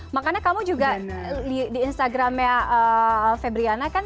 makanya kamu juga di instagramnya febriana kan